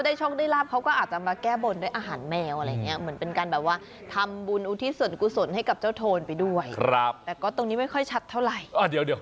เดี๋ยวนะคุณเพ่งดี